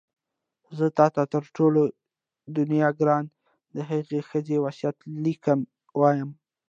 زه تا ته تر ټولې دنیا ګرانه د هغې ښځې وصیت لیک وایم.